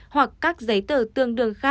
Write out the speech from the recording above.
hoặc các giấy tờ tương đương